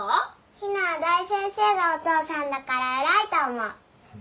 陽菜は大先生がお父さんだから偉いと思う。